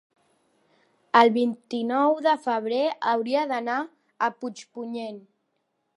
El vint-i-nou de febrer hauria d'anar a Puigpunyent.